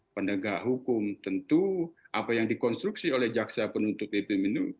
pendegah hukum tentu apa yang dikonstruksi oleh jaksa penutup bpm itu